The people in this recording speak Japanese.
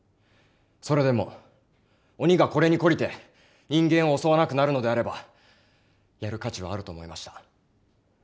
それでも鬼がこれに懲りて人間を襲わなくなるのであればやる価値はあると思いました。